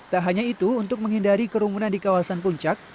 tak hanya itu untuk menghindari kerumunan di kawasan puncak